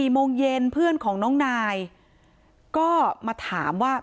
โมงเย็นเพื่อนของน้องนายก็มาถามว่า